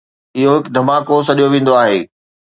اهو هڪ ڌماڪو سڏيو ويندو آهي.